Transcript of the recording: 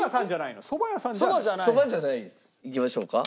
いきましょうか？